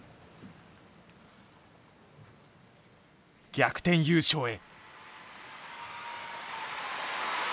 逆転優勝へ。